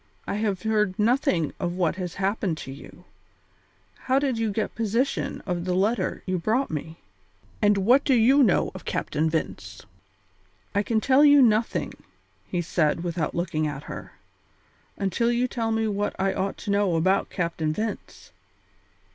I have heard nothing of what has happened to you. How did you get possession of the letter you brought me, and what do you know of Captain Vince?" "I can tell you nothing," he said, without looking at her, "until you tell me what I ought to know about Captain Vince."